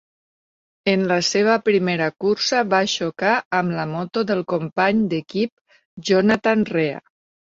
En la seva primera cursa va xocar amb la moto del company d'equip Jonathan Rea.